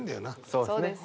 そうです。